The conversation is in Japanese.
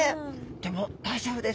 でも大丈夫です。